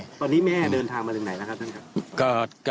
ตอนนี้แม่เดินทางมาถึงไหนแล้วครับท่านครับ